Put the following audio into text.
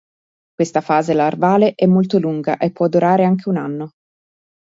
Questa fase larvale è molto lunga e può durare anche un anno.